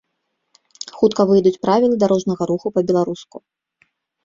Хутка выйдуць правілы дарожнага руху па-беларуску.